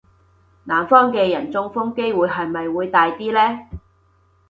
南方嘅人中風嘅機會係咪會大啲呢?